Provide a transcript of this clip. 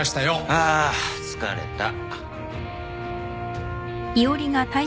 あ疲れた。